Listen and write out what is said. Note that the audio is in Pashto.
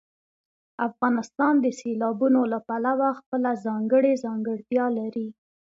افغانستان د سیلابونو له پلوه خپله ځانګړې ځانګړتیا لري.